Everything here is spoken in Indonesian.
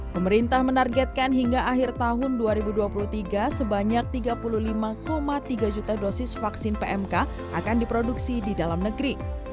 pmk akan diproduksi di dalam negeri